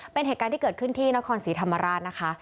เป็นเหตุการณ์ที่เกิดขึ้นที่นครศรีธรรมราชนะคะ